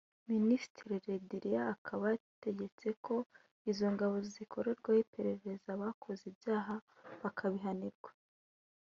Minisitiri Le Drian akaba yarategetse ko izo ngabo zikorwaho iperereza abakoze ibyaha bakabihanirwa